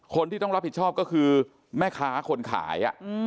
คนที่ต้องรับผิดชอบก็คือแม่ค้าคนขาย